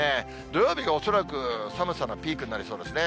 土曜日が恐らく寒さのピークになりそうですね。